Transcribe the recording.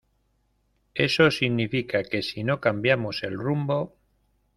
eso significa que si no cambiamos el rumbo